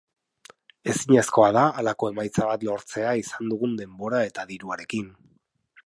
Ezinezkoa da halako emaitza bat lortzea izan dugun denbora eta diruarekin.